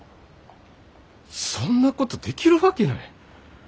そんなことできるわけない。